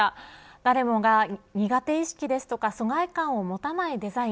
誰もが苦手意識ですとか疎外感を持たないデザイン